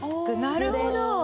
なるほど。